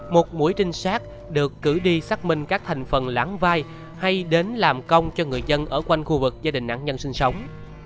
một mũi trinh sát được cử đi xác minh các thành phần lãng vai hay đến làm công cho người dân ở quanh khu vực gia đình nạn nhân sinh sống